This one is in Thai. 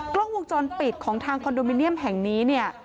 กล้องวงจรปิดของทางคอนโดมิเนียมแห่งนี้เนี่ย